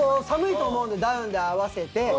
寒いと思うんでダウンで合わせて。